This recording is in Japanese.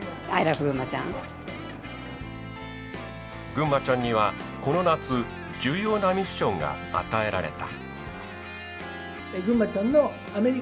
ぐんまちゃんにはこの夏重要なミッションが与えられた。